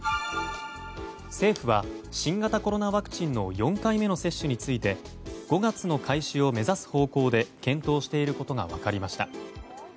政府は新型コロナワクチンの４回目の接種について５月の開始を目指す方向で検討していることが分かりました。